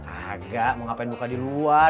agak mau ngapain buka di luar